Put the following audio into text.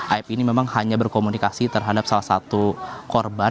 aib ini memang hanya berkomunikasi terhadap salah satu korban